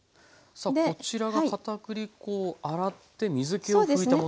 さあこちらがかたくり粉を洗って水けを拭いたものですね。